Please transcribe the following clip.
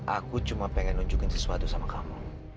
aku cuma pengen nunjukin sesuatu sama kamu